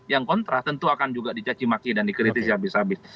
yang kontra tentu akan dicacimaki dan dikritis habis habis